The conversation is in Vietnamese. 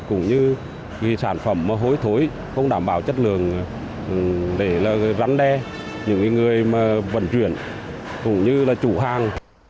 cũng như cái sản phẩm hối thối không đảm bảo chất lượng để rắn đe những người vận chuyển cũng như là chủ hàng